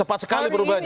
cepat sekali perubahannya